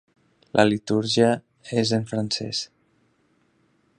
La litúrgia és en francès.